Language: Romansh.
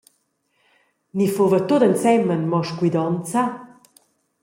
Ni fuva tut ensemen mo scuidonza?